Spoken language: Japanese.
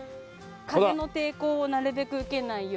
風の抵抗をなるべく受けないように。